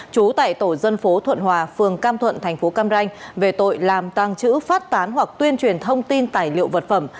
trú tại tổ dân phố thuận hòa phường cam thuận thành phố cam ranh về tội làm tàng trữ phát tán hoặc tuyên truyền thông tin tài liệu vật phẩm